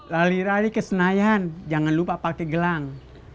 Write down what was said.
lali lali kesenayan jangan lupa pakai gelang